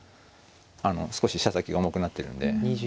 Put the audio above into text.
少し飛車先が重くなってるんで。